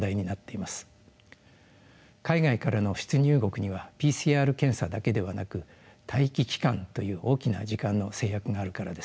海外からの出入国にはＰＣＲ検査だけではなく待機期間という大きな時間の制約があるからです。